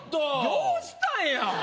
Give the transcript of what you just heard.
どうしたんや？